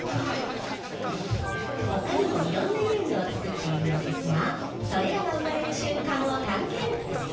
ほかにもいろんな遊具を作っているのですがそれらが生まれる瞬間を探検。